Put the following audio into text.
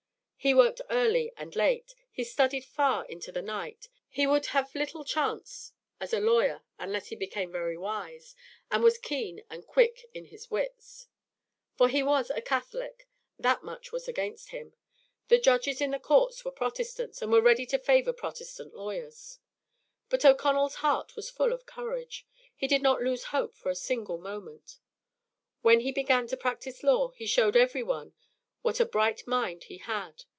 He worked early and late. He studied far into the night. He would have little chance as a lawyer unless he became very wise, and was keen and quick in his wits. For he was a Catholic. That was much against him. The judges in the courts were Protestants and were ready to favour Protestant lawyers. But O'Connell's heart was full of courage. He did not lose hope for a single moment. When he began to practise law, he showed every one what a bright mind he had.